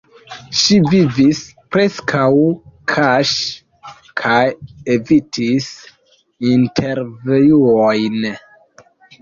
Ŝi vivis preskaŭ kaŝe kaj evitis intervjuojn.